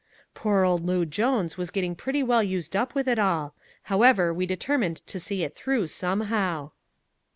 "Poor old Loo Jones was getting pretty well used up with it all. However, we determined to see it through somehow."